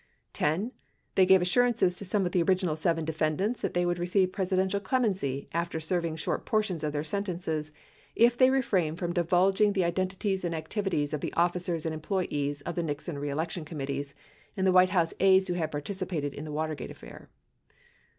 10. They gave assurances to some of the original seven defendants that they would receive Presidential clemency after serving short portions of their sentences if they refrained from divulging the iden tities and activities of the officers and employees of the Nixon reelection committees and the White House aides who had participated in the Watergate affair.